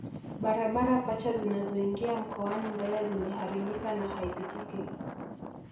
Barabara pacha zinazoingia mkoani Mbeya zimeharibika na haipitiki